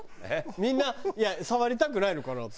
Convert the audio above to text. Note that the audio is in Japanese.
みんな触りたくないのかなって。